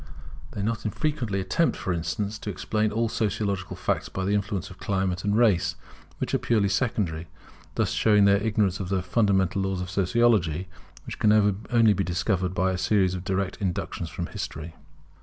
They not unfrequently attempt, for instance, to explain all sociological facts by the influence of climate and race, which are purely secondary; thus showing their ignorance of the fundamental laws of Sociology, which can only be discovered by a series of direct inductions from history.